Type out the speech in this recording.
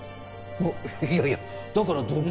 いやいやだから毒は。